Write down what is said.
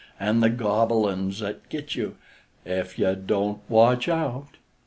An' the Gobble uns 'at gits you Ef you Don't Watch Out!